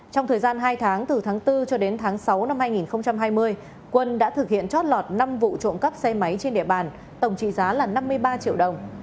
trong thời gian hai tháng từ tháng bốn cho đến tháng sáu năm hai nghìn hai mươi quân đã thực hiện chót lọt năm vụ trộm cắp xe máy trên địa bàn tổng trị giá là năm mươi ba triệu đồng